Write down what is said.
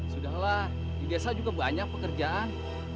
sudahlah di desa juga banyak pekerjaan